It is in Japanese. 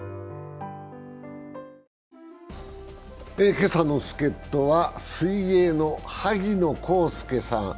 今朝の助っ人は水泳の萩野公介さん。